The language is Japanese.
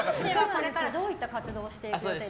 これからどういった活動をしていく予定ですか。